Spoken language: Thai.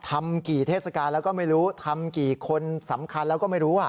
ทำกี่เทศกาลแล้วก็ไม่รู้ทำกี่คนสำคัญแล้วก็ไม่รู้อ่ะ